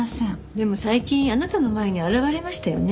でも最近あなたの前に現れましたよね？